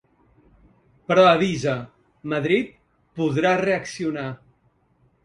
Però avisa: Madrid podrà reaccionar.